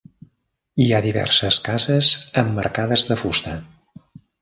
Hi ha diverses cases emmarcades de fusta.